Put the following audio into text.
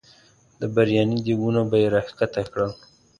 د برياني دیګونه به یې راښکته کړل.